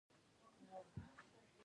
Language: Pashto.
ایا زما سترګې به ښې شي؟